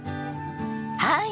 はい！